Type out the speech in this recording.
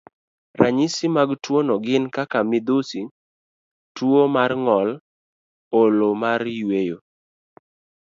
Ranyisi mag tuwono gin kaka midhusi, tuwo mar ng'ol, olo mar yweyo,